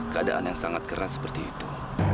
keadaan yang sangat keras seperti itu